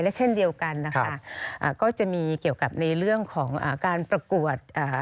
และเช่นเดียวกันก็จะมีเกี่ยวกับในเรื่องของการประกวด